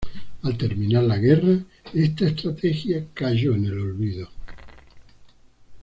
Al terminar la guerra, esta estrategia cayó en el olvido.